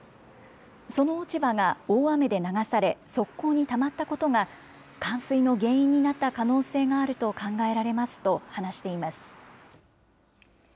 その落ち葉が大雨で流され、側溝にたまったことが、冠水の原因になった可能性があると考えられますと話しています。